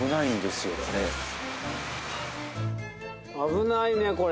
危ないねこれ。